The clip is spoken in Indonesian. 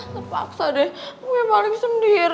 terpaksa deh gue balik sendiri